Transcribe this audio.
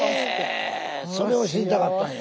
それを知りたかったんや。